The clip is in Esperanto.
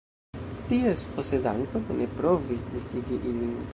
Ties posedanto pene provis disigi ilin.